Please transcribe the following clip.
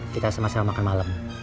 kita selama selama makan malam